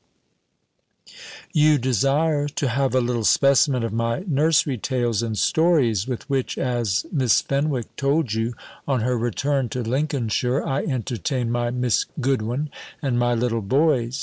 You desire to have a little specimen of my nursery tales and stories, with which, as Miss Fenwick told you, on her return to Lincolnshire, I entertain my Miss Goodwin and my little boys.